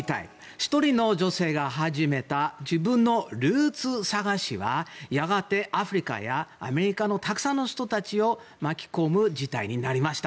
１人の女性が始めた自分のルーツ探しはやがて、アフリカやアメリカのたくさんの人たちを巻き込む事態になりました。